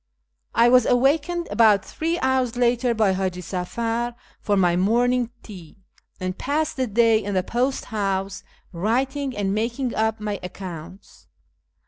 I was awakened about three hours later by Hiiji Safar for my morning tea, and passed the day in the post house writing and making up my accounts.